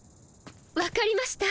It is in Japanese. わかりました。